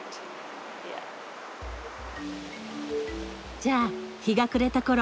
じゃあ日が暮れたころ